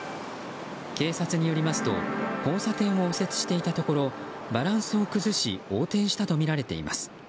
警察によりますと交差点を右折していたところバランスを崩し横転したとみられています。